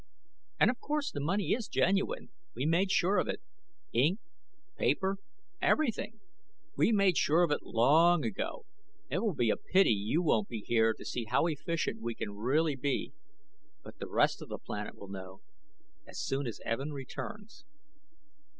"And of course the money is genuine. We made sure of it. Ink, paper, everything. We made sure of it long ago. It will be a pity you won't be here to see how efficient we can really be. But the rest of the planet will know. As soon as Evin returns."